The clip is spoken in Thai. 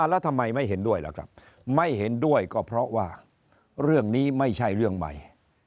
แล้วทำไมไม่เห็นด้วยล่ะครับไม่เห็นด้วยก็เพราะว่าเรื่องนี้ไม่ใช่เรื่องใหม่